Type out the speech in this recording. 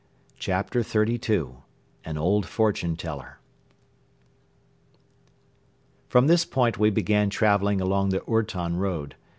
CHAPTER XXXII AN OLD FORTUNE TELLER From this point we began traveling along the ourton road.